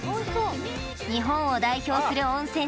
日本を代表する温泉